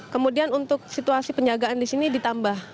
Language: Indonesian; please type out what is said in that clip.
kemudian untuk situasi penjagaan di sini ditambah